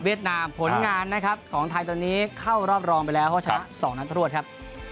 นามผลงานนะครับของไทยตอนนี้เข้ารอบรองไปแล้วเพราะชนะ๒นัดรวดครับ